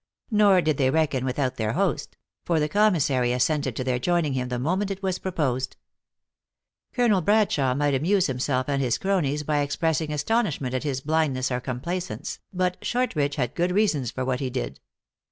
Nor did they reckon without their host; for the commis sary assented to their joining him the moment it was proposed. Colonel Bradshawe might amuse himself and his cronies by expressing astonishment at his blindness or complaisance, but Shortridge had good 116 THE ACTRESS IN HIGH LIFE. reasons for what he did.